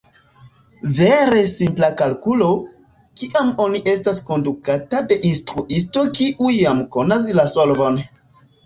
Vere simpla kalkulo, kiam oni estas kondukata de instruisto kiu jam konas la solvon.